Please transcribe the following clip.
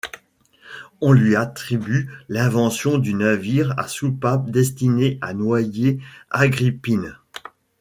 On lui attribue l'invention du navire à soupape destiné à noyer Agrippine.